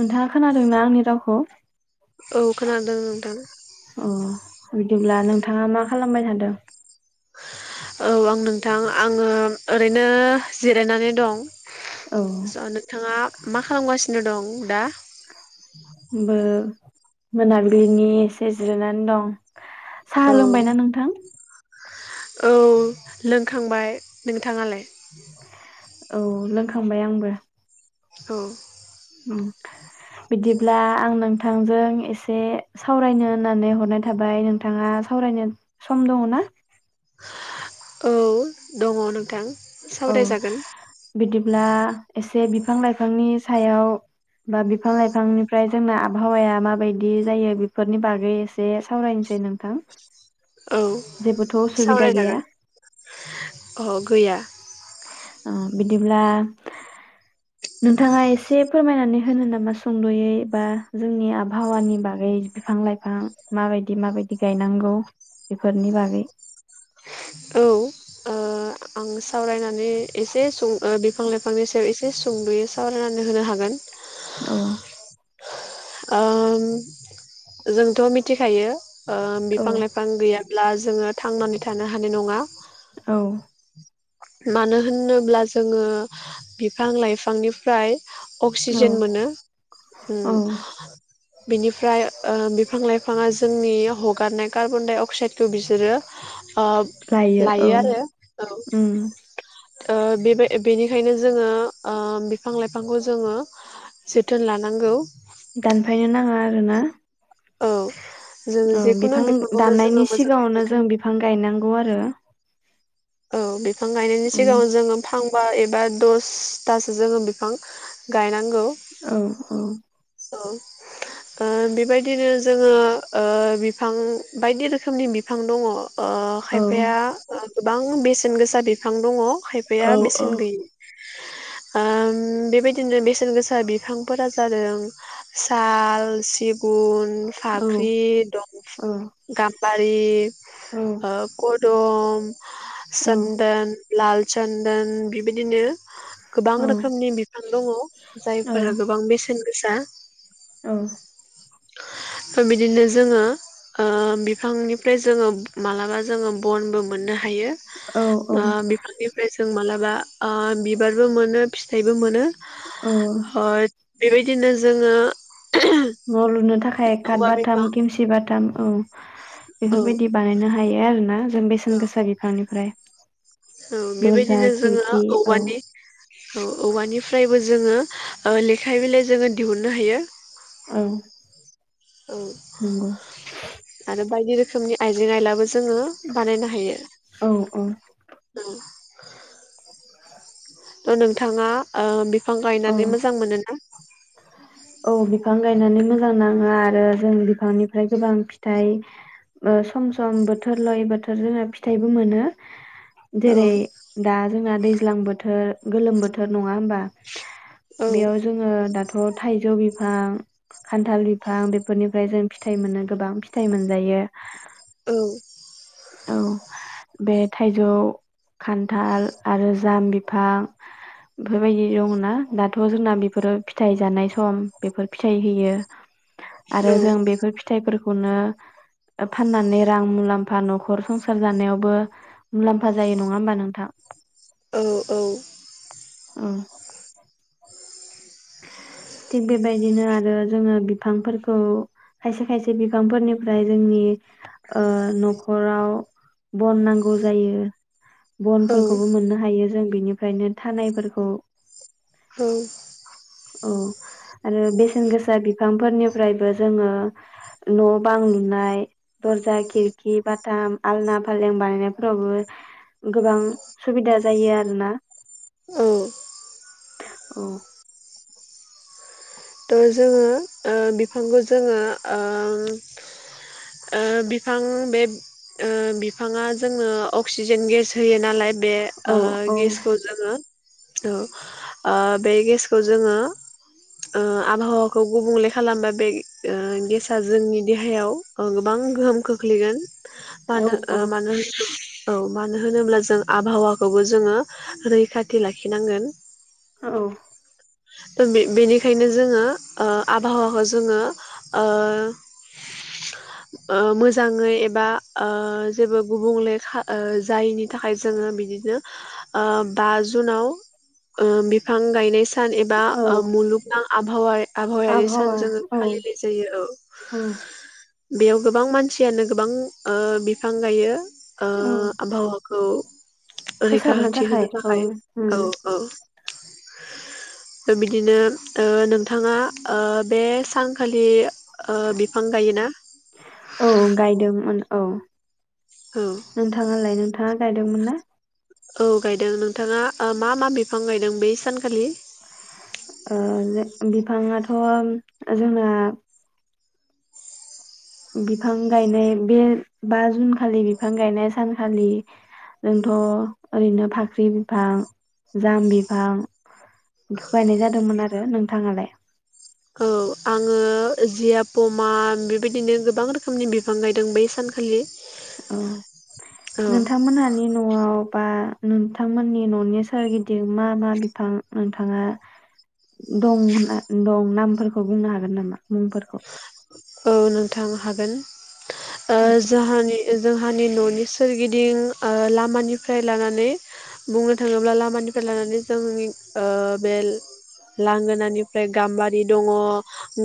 नोंथाङा खोनादों ना आंनि रावखौ? औ खोनादों नोंथां। अ उम बिदिब्ला नोंथाङा मा खालामबाय थादों? औ आं नोंथां आङो ओरैनो जिरायनानै दं। औ स' नोंथाङा मा खालामगासिनो दं दा? बो मोनाबिलिनि एसे जिरायनानै दं। साहा औ लोंबायना नोंथां? औ लोंखांबाय। नोंथाङालाय? औ लोंखांबाय आंबो। औ उम बिदि ब्ला आं नोंथांजों एसे सावरायनो होननानै हरनाय थाबाय। नोंथाङा सावरायनो सम दङ' ना? औ दङ' नों औ बिदिब्ला एसे बिफां लाइफांनि सायाव बा बिफां लाइफांनिफ्राय जोंना आबहावाया माबायदि जायो बेफोरनि बागै एसे सावरायनोसै नोंथां। औ जेबोथ' उसुबिदा गैया सावरायजागोन। अ गैया। आ बिदिब्ला नोंथाङा एसे फोरमायनानै होनो नामा सुंदयै बा जोंनि आबहावानि बागै बिफां लाइफां माबायदि माबायदि गायनांगौ बेफोरनि बागै। औ ओ आं सावरायनानै एसे सुं बिफां लाइफांनि सायाव एसे सुंदयै सावरायनानै होनो हागोन। औ ओम जोंथ' मिथिखायो। ओ औ बिफां लाइफां गैया। ब्ला जोङो थांनानै थानो हानाय नङा। औ मानो होनोब्ला जोङो बिफां लाइफांनिफ्राय अक्सिजेन मोनो उम। औ [inaudible] बिनिफ्राय ओ बिफां लाइफाङा जोंनि हगारनाय कार्बन डाइ अक्साइदखौ बिसोरो ओ लायो आरो औ। उम ओ बेबाय बेनिखायनो जोङो ओ बिफां लाइफांखौ जोङो जोथोन लानांगौ। दानफायनो नाङा आरो ना। औ जों औ जेखुनु बिफां बिफांखौनो जोङो दाननायनि मोजाङै सिगाङावनो जों जोथोन बिफां गायनांगौ आरो। औ बे फां गायनायनि उम सिगाङाव जोङो फां बा एबा दसथासो जोङो बिफां गायनांगौ। औ औ औ ओ बेबायदिनो जोङो ओ बिफां बायदि रोखोमनि बिफां दङ ओ औ खायफाया गोबां बेसेन गोसा बिफां दङ। औ खायफाया औ बेसेन गैयि। ओ बेबायदिनो बेसेन गोसा बिफांफोरा जादों साल सिग गुन औ फाख्रि दं औ गाम बारि औ ओ [unintelligible] दम औ चोन्दोन फ्लाल चोन्दोन बिदि बिदिनो गोबां रोखोमनि बिफां दङ' जायफोरा गोबां बेसेन सा औ बिदिनो जोङो ओ बिफांनिफ्राय जोङो मालाबा जोङो बनबो मोननो हायो। औ ओ औ बिफांनिफ्राय जों माला बा ओ बिबारबो मोनो फिथाइबो मोनो। औ बेबायदिनो जोङो न' लुनो थाखाय काट औवा बाथाम बिफां [inaudible] खेमसि बाथाम औ। औ बेफोरबायदि बानायनो हा हायो आरो ना? जों बेसेन गोसा बिफांनिफ्राय। औ दरजा बेबायदिनो जोङो खिरखि औ औवानि औ औवानिफ्रायबो जोङो लेखाय बिलाइ जोङो दिहुननो हायो। औ। औ नंगौ आरो बायदि रोखोमनि आइजें आइलाबो जोङो बानायनो हायो। औ औ थ' नोंथाङा ओ बेफ बिफां औ गायनानै मोजां मोनोना? औ बिफां गायनानै मोजां नाङो आरो जों बिफांनिफ्राय गोबां फिथाइ ओ सम सम बोथोर लायै बोथोर जों फिथाइबो मोनो। औ जेरै दा जोंना दैज्लां बोथोर गोलोम बोथोर नङा होमबा? औ बेयाव जोङो दाथ' थ' थाइजौ बिफां खान्थाल बिफां बेफोरनिफ्राय जों फिथाइ मोननो गोबां फिथाइ मोनजायो। औ। औ बे थाइजौ खान्थाल आरो जाम बिफां बेफोरबायदि दं। ना दाथ' जोंना बेफोरो फिथाइ जानाय सम बेफोर फिथाइ होयो। आरो औ जों बेफोर फिथाइफोरख खौनो फाननानै रां मुलाम्फा न'खर संसार जानायावबो मुलाम्फा जायो नङा होमबा नोंथां? औ औ। अ। थिग बेबायदिनो आरो जोङो बिफांफोरखौ खायसे खायसे बिफांफोरनिफ्राय जोंनि ओ न'खराव बन नांगौ जायो। औ बनफोरखौबो मोननो हायो जों। बिनिफ्रायनो थानायफोरखौ उम। औ आरो बेसेन गोसा बिफांफोरनिफ्रायबो जोङो न' बां लुनाय दरजा खिरखि बाथाम आलना फालें बानायनायफोरावबो गोबां सुबिदा जायो आरोना औ औ। थ' जोङो ओ बिफांखौ जोङो ओ-ओ बिफां बे ओ बिफाङा जोंनो अक्सिजेन गेस होयो नालाय बे ओ औ औ गेसखौ जोङो औ ओ बे गेसखौ जोङो ओ आबहावाखौ गुबुंले खालामबा बे ओ गेसा जोंनि देहायाव गोबां गोहोम खोख्लैगोन। औ मानो ओ औ मानो औ मानो होनोब्ला जों आबहावाखौबो जोङो रैखाथि लाखिनांगोन। औ। बेनिखायनो जोङो ओ आबहावाखौ जोङो ओ -ओ मोजाङै एबा ओ जेबो गुबुंले खा ओ जायिनि थाखाय जोङो बिदिनो ओ बा जुनाव ओ बिफां गायनाय सा सान एबा ओ औ मुलुगनां आबहावा आबहावायारि सान आबहावा जोङो औ फालिनाय जायो औ उम बेयाव गोबां मानसियानो गोबां ओ बिफां गायो ओ औ आबहावा औ फोसाबनो रैखाथि होनो औ थाखाय उम औ- औ [unintelligible] बिदिनो ओ नोंथाङा ओ बे सानखालि ओ बिफां गायोना औ गायदोंमोन। औ औ नोंथाङालाय नोंथाङा गायदोंमोन ना। औ गायदों नोंथाङा ओ मा-मा बिफां गायदों बै सानखालि। ओ जे बिफाङाथ' जोंना बिफां गायनाय बे बा जुन खालि बिफां गायनाय सानखालि जोंथ' ओरैनो फाख्रि बिफां जाम बिफां बेखौ गायनाय जादोंमोन आरो नोंथाङालाय। औ आङो जिया पमा बेबायदिनो गोबां रोखोमनि बिफां गायदों बै सानखालि। औ औ नोंथांमोनहानि न'आव बा नोंथांमोननि न'नि सोरगिदिं मा-मा बिफां नोंथाङा दं होनना दं नामफोरखौ बुंनो हागोन नामा मुंफोरखौ। औ नोंथां हागोन। ओ जाहानि जोंहानि न'नि सोरगिदिं ओ लामानिफ्राय लानानै बुंनो थाङोब्ला लामानिफ्राय लानानै जोंनि ओ बे लांगोनानिफ्राय गाम्बारि दङ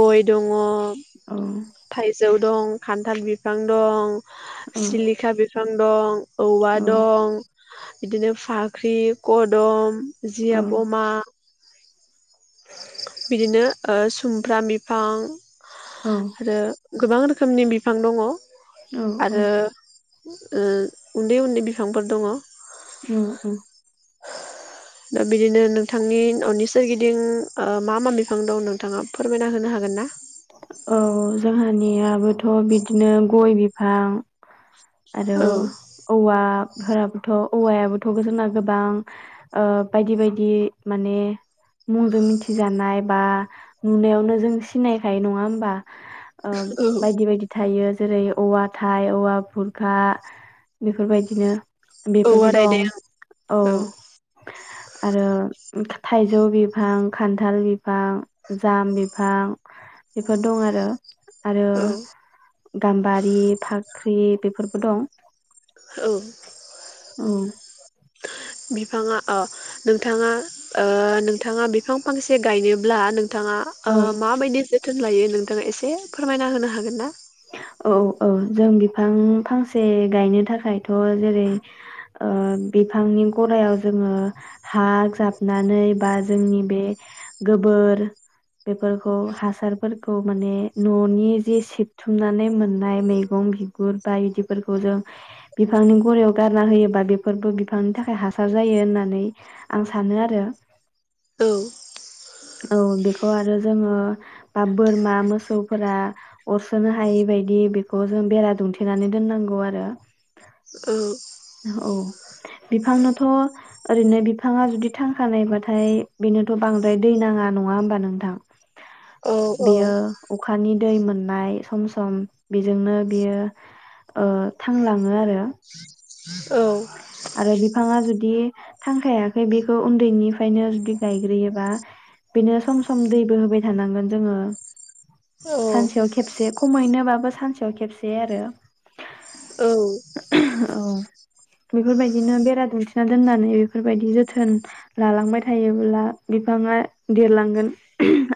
गय दङ औ थाइ जौ दं खान्थाल बिफां दं औ सिलिखा बिफां दं औवा औ दं बिदिनो फाख्रि, कदम औ जिया, पमा बिदिनो ओ सुमफ्राम बिफां औ आरो गोबां रोख रोखोमनि बिफां दङ औ-औ आरो ओ उन्दै-उन्दै बिफांफोर दङ औ-औ दा बिदिनो नोंथांनि न'नि सोरगिदिं ओ मा मा बिफां दं नोंथाङा फोरमायना होनो हागोनना औ जोंहानियाबोथ' बिदिनो गय बिफां आरो औ औवा फोराबोथ' औवायाबोथ' जोंना गोबां ओ बायदि बायदि माने मुंजों मिथिजानाय बा नुनायावनो जों सिनायखायो नङा होमबा ओ औ बायदि बायदि थायो जेरै औवा थाइ औवा भु खा बेफोरबायदिनो औवा बेफोरबो दं रायदों औ आरो थाइजौ बिफां खान्थाल बिफां जाम बिफां बेफोर दं आरो आरो औ गाम्बारि फाख्रि बेफोर दं औ औ बिफाङा अ नोंथाङा ओ नोंथाङा बिफां फांसे गायनोब्ला नों थाङा ओ माबायदि जो थोन लायो नोंथाङा एसे फोरमायना होनो हागोनना? औ औ जों बिफां फांसे गायनो थाखायथ' जेरै ओ बिफांनि गरायाव जोङो हा जाबनानै बा जोंनि बे गोबोर बेफोरखौ हासारफोरखौ माने न'नि जि सिबथुमनानै मोननाय मैगं बिगुर बाइदिफोरखौ जों बिफांनि गरायाव गारना होयोबा बेफोरबो बिफांनि थाखाय हासार जायो होननानै आं सानो आरो औ औ बेखौ आरो जोङो बा बोरमा मोसौफोरा अरस'नो हायि बायदि बिदि बेखौ जों बेरा दुंमथेनानै दोननांगौ आरो औ औ बिफांनोथ' ओरैनो बिफाङा जुदि थांखानायबाथाय बेनोथ' बांद्राय दै नाङा नङा होमबा नोंथां औ बेयो अख खानि दै मोननाय सम सम बेजोंनो बियो ओ थांलाङो आरो औ आरो बिफाङा जुदि थांखायाखै बेखौ उन्दैनिफ्रायनो जुदि गायग्रोयोबा बेनो सम सम दैबो होबाय थानांगोन जोङो सानसेयाव खेबसे खमैनोबाबो सानसेयाव खेबसे आरो औ औ बेफोरबायदिनो बेरा दुमथेना दोननानै बेफोरबायदि जोथोन लालांबाय थायोब्ला बिफाङा देरलांगोन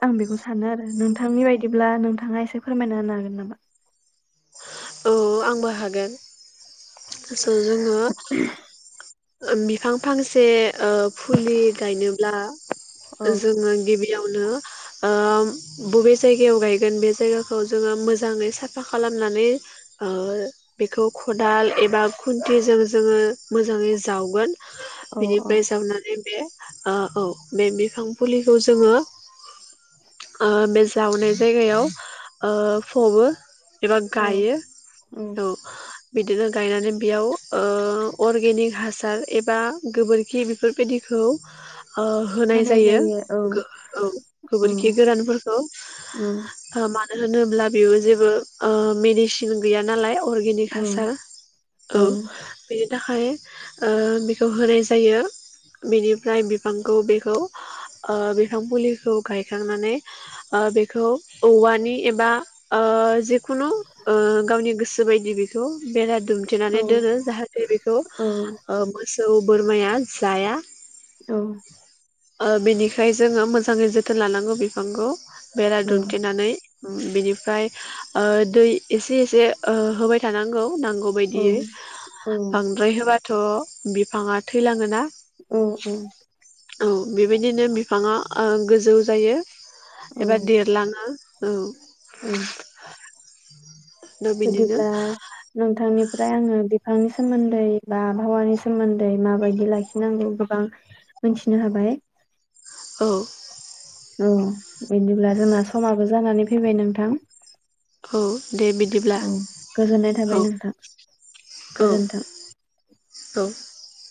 आं बेखौ सानो आरो नोंथांनि बायदिब्ला नोंथाङा एसे फोरमायना होनो हागोन नामा? बो हागोन सो जोङो ओ बिफां फांसे ओ फुलि गायनोब्ला औ जोङो गिबि यावनो ओ बबे जायगायाव गायगोन बे जायगाखौ जोङो मोजाङै साफा खालामनानै ओ बेखौ खदाल एबा खुन्थिजों जोङो मोजाङै जावगोन औ बेनिफ्राय जावनानै बे ओ औ बे बिफां फुलिखौ जोङो ओ बे जावनाय जायगायाव ओ फबो एबा औ गायो औ बिदिनो गायनानै बेयाव ओ अरगेनिक हासार एबा गोबोरखि बेफोरबायदिखौ ओ होनाय जायो गो औ औ गोबोरखि गोरानफोरखौ औ ओ मा होनोब्ला बेबो जेबो ओ मेदिसिन गैया नालाय अर्गेनिक औ हासार औ बे थाखाय ओ बेखौ होनाय जायो बेनिफ्राय बिफांखौ बेखौ ओ बिफां फुलिखौ गायखांनानै ओ बेखौ औवानि एबा ओ जिखुनु ओ गावनि गोसोबायदि बेखौ बेरा दुम औ दुमथेनानै दोनो जाहाथे बेखौ औ ओ सौ बोरमाया जाया। औ ओ बेनिखाय जोङो मोजाङै जोथोन लानांगौ बिफांखौ। बेरा दुमथेनानै उम बिनिफ्राय ओ दै एसे एसे ओ होबाय थानांगौ नांगौ बायदियै बांद्राय होबाय थ' बिफाङा थैलाङोना। औ औ औ बेबायदिनो बिफाङा ओ गोजौ जायो औ एबा देरलाङो औ औ [inaudible] बिदिनो बिदिब्ला नोंथांनि फ्राय आङो बिफांनि सोमोन्दै बा आबहावानि सोमोन्दै माबायदि लाखिनांगौ गोबां मिथिनो हाबाय। औ औ बिदिब्ला जोंना समाबो जानानै फैबाय नोंथां औ दे बिदिब्ला औ गोजोननाय औ थाबाय नोंथां औ गोजोनथों। [unintelligible]